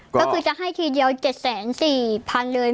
ก็คือจะให้ทีเดียว๗๔๐๐๐เลย